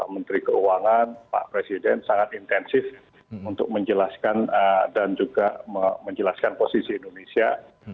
menteri keuangan pak presiden sangat intensif untuk menjelaskan dan juga menjelaskan posisi indonesia